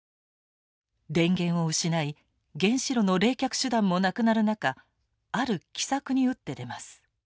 電源を失い原子炉の冷却手段もなくなる中ある奇策に打って出ます。